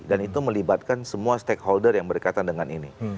dan itu melibatkan semua stakeholder yang berkaitan dengan ini